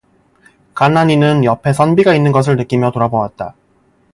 간난이는 옆에 선비가 있는 것을 느끼며 돌아보았다.